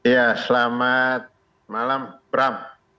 ya selamat malam beram